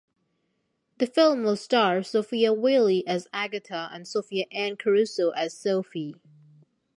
The film will star Sofia Wylie as Agatha and Sophia Anne Caruso as Sophie.